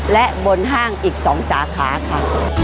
และบนห้างอีก๒สาขาค่ะ